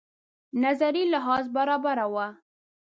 نظري لحاظ برابره وه.